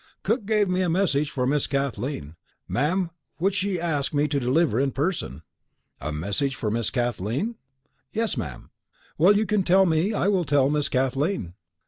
"Cook gave me a message for Miss Kathleen, ma'am, which she asked me to deliver in person." "A message for Miss Kathleen?" "Yes, ma'am." "Well, you can tell me, I will tell Miss Kathleen."